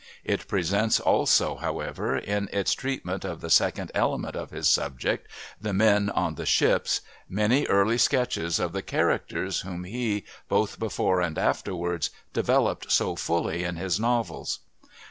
It presents also, however, in its treatment of the second element of his subject, the men on the ships, many early sketches of the characters whom he, both before and afterwards, developed so fully in his novels.